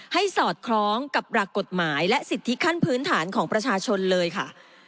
สอดคล้องกับหลักกฎหมายและสิทธิขั้นพื้นฐานของประชาชนเลยค่ะ